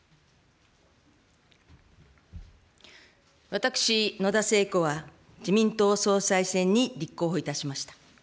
私、野田聖子は自民党総裁選に立候補いたしました。